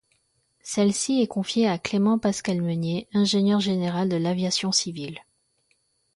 Celle-ci est confiée à Clément-Pascal Meunier, ingénieur général de l'aviation civile.